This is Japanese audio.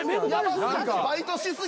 バイトし過ぎて。